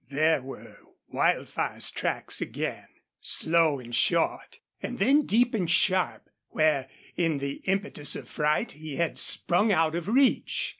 There were Wildfire's tracks again, slow and short, and then deep and sharp where in the impetus of fright he had sprung out of reach.